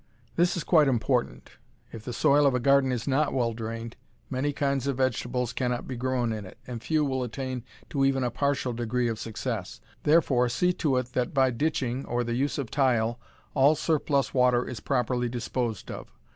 This is quite important. If the soil of a garden is not well drained, many kinds of vegetables cannot be grown in it, and few will attain to even a partial degree of success. Therefore see to it that by ditching, or the use of tile, all surplus water is properly disposed of.